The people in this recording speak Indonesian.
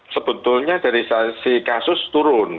sebetulnya dari sisi kasus turun